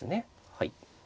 はい。